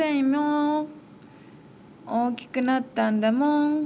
おおきくなったんだもん。